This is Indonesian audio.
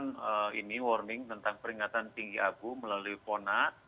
ini warning tentang peringatan tinggi abu melalui pona